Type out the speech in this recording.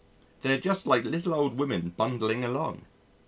They are just like little old women bundling along.